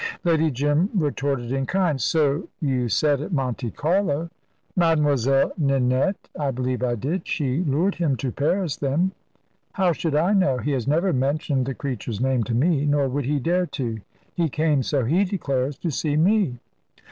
Lady Jim retorted in kind. "So you said at Monte Carlo." "Mademoiselle Ninette? I believe I did. She lured him to Paris, then?" "How should I know? He has never mentioned the creature's name to me, nor would he dare to. He came, so he declares, to see me."